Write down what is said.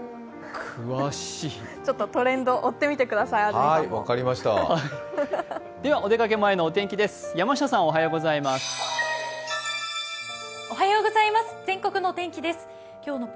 ちょっとトレンドを追ってみてください、安住さんも。